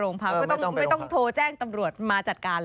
ไม่ต้องไปโรงพยาบาล